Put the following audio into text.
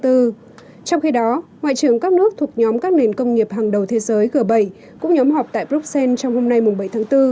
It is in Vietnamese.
trong khi đó ngoại trưởng các nước thuộc nhóm các nền công nghiệp hàng đầu thế giới g bảy cũng nhóm họp tại bruxelles trong hôm nay bảy tháng bốn